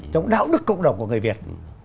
trong đạo đức cộng đồng của người việt